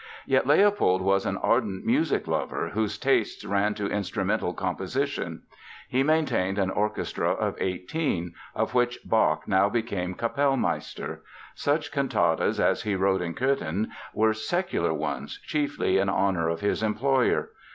Yet Leopold was an ardent music lover, whose tastes ran to instrumental composition. He maintained an orchestra of eighteen of which Bach now became Kapellmeister. Such cantatas as he wrote in Cöthen were secular ones, chiefly in honor of his employer.